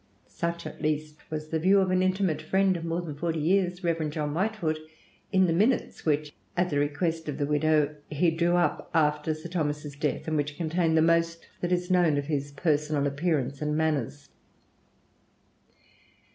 Such at least was the view of an intimate friend of more than forty years, Rev. John Whitefoot, in the 'Minutes' which, at the request of the widow, he drew up after Sir Thomas's death, and which contain the most that is known of his personal appearance and manners.